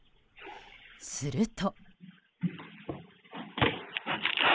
すると。